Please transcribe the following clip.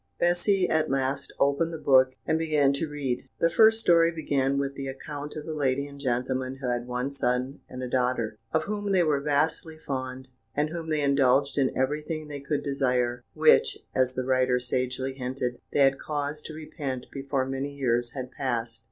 Bessy, at last, opened the book and began to read. The first story began with the account of a lady and gentleman who had one son and a daughter, of whom they were vastly fond, and whom they indulged in everything they could desire, which (as the writer sagely hinted) they had cause to repent before many years had passed.